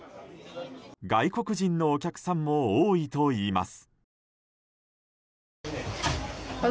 外国人のお客さんも多いといいます。